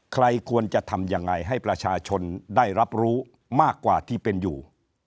ใครควรจะทำยังไงให้ประชาชนได้รับรู้มากกว่าที่เป็นอยู่